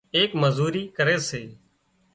ايڪ مزوري ڪري سي